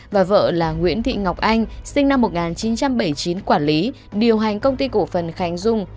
và vợ là nguyễn thị ngọc anh sinh năm một nghìn chín trăm bảy mươi chín quản lý điều hành công ty cổ phần khánh dung